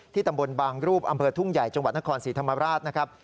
ตำบลบางรูปอำเภอทุ่งใหญ่จังหวัดนครศรีธรรมราชนะครับ